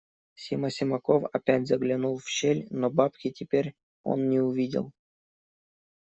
Сима Симаков опять заглянул в щель, но бабки теперь он не увидел.